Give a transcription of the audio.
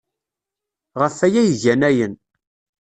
Ɣef waya ay gan ayen.